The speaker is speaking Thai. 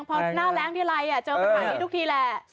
พอหน้าแรงทีไรเจอปัญหานี้ทุกทีแหละ